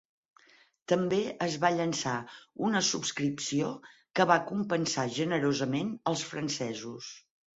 També es va llançar una subscripció que va compensar generosament als francesos.